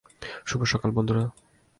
শুভ সকাল, বন্ধুরা।